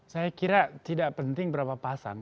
saya kira tidak penting berapa pasang